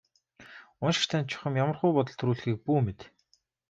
Уншигч танд чухам ямархуу бодол төрүүлэхийг бүү мэд.